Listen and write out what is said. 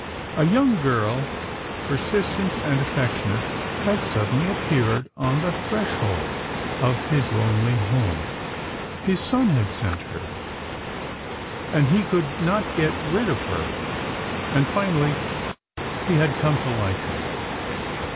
A young girl, persistent and affectionate, had suddenly ap peared on the threshold of his lonely home. His son had sent her, and he could not get rid of her, and finally he had come to like her.